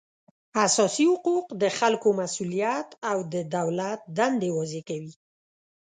اساسي حقوق د خلکو مسولیت او د دولت دندې واضح کوي